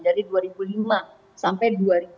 dari dua ribu lima sampai dua ribu empat belas